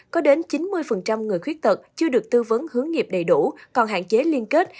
có đến chín mươi người khuyết tật chưa được tư vấn hướng nghiệp đầy đủ còn hạn chế liên kết